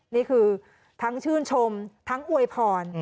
นี่คือทั้งชื่นชมทั้งอวยพร